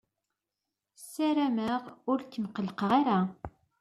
Ssarameɣ ur kem-qellqeɣ ara.